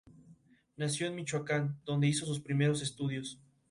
Nació en Michoacán, donde hizo sus primeros estudios.